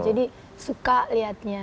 iya jadi suka liatnya